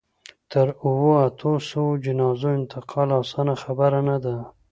د اوو، اتو سووو جنازو انتقال اسانه خبره نه ده.